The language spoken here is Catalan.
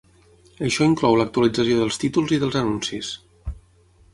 Això inclou l'actualització dels títols i dels anuncis.